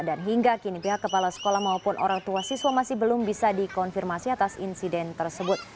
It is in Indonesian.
dan hingga kini pihak kepala sekolah maupun orang tua siswa masih belum bisa dikonfirmasi atas insiden tersebut